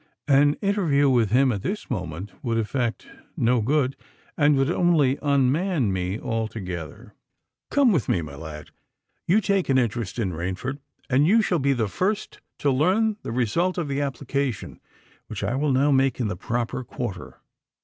"An interview with him at this moment would effect no good, and would only unman me altogether. Come with me, my lad: you take an interest in Rainford—and you shall be the first to learn the result of the application which I will now make in the proper quarter."